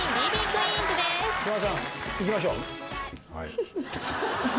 はい。